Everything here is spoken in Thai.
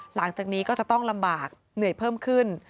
หลังจากนี้ก็จะต้องลำบากเหนื่อยเพิ่มขึ้น